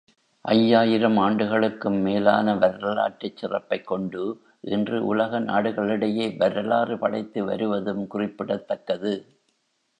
ஐயாயிரம் ஆண்டுகளுக்கும் மேலான வரலாற்றுச் சிறப்பைக் கொண்டு, இன்று உலக நாடுகளிடையே வரலாறு படைத்து வருவதும் குறிப்பிடத் தக்கது.